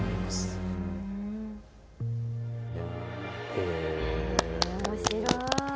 へえ面白い。